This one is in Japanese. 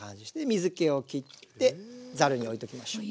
水けをきってざるに置いておきましょう。